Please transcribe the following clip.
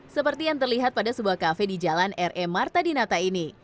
seperti yang terlihat pada sebuah kafe di jalan re marta dinata ini